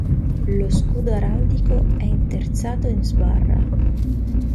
Lo scudo araldico è interzato in sbarra.